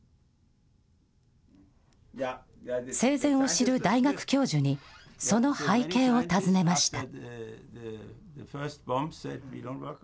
生前を知る大学教授にその背景を尋ねました。